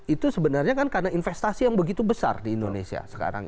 itu sebenarnya kan karena investasi yang begitu besar di indonesia sekarang